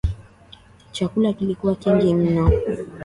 Chakula kilikuwa kingi mno